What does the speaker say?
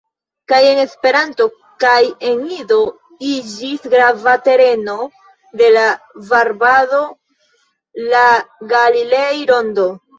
Kaj por Esperanto, kaj por Ido iĝis grava tereno de la varbado la Galilei-Rondo.